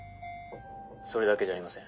それだけじゃありません。